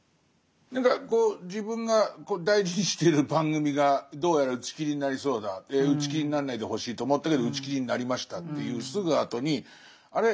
何かこう自分が大事にしてる番組がどうやら打ち切りになりそうだ打ち切りになんないでほしいと思ったけど打ち切りになりましたっていうすぐあとにあれ？